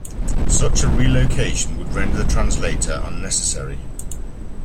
Such a relocation would render the translator unnecessary.